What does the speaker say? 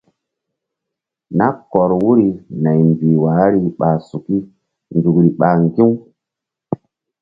Nah kɔr wuri naymbih wahri ɓa suki nzukri ɓa ŋgi̧.